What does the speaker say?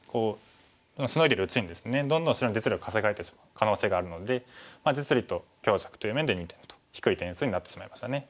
シノいでるうちにですねどんどん白に実利を稼がれてしまう可能性があるので実利と強弱という面で２点と低い点数になってしまいましたね。